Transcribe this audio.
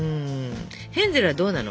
ヘンゼルはどうなの？